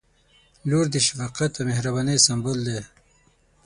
• لور د شفقت او مهربانۍ سمبول دی.